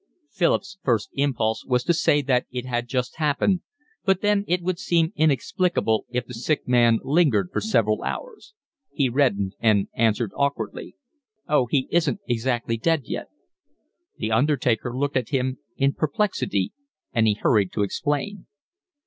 Philip's first impulse was to say that it had just happened, but then it would seem inexplicable if the sick man lingered for several hours. He reddened and answered awkwardly. "Oh, he isn't exactly dead yet." The undertaker looked at him in perplexity, and he hurried to explain.